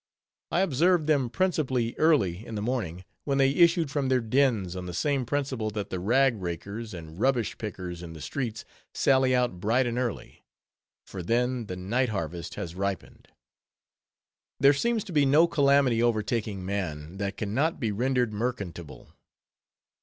I observed them principally early in the morning, when they issued from their dens, on the same principle that the rag rakers, and rubbish pickers in the streets, sally out bright and early; for then, the night harvest has ripened. There seems to be no calamity overtaking man, that can not be rendered merchantable.